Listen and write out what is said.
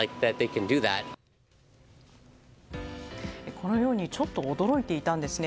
このようにちょっと驚いていたんです。